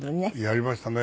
やりましたね。